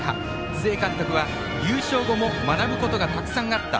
須江監督は、優勝後も学ぶことがたくさんあった。